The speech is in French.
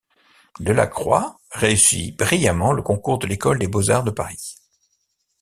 Delacroix réussit brillamment le concours de l'École des beaux-arts de Paris.